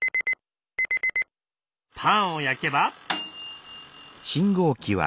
パンを焼けば。